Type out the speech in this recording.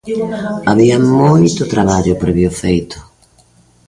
Había moito traballo previo feito.